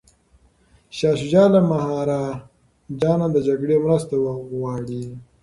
شاه شجاع له مهاراجا نه د جګړې مرسته غواړي.